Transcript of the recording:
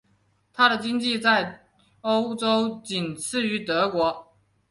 她的经济在欧洲仅次于德国。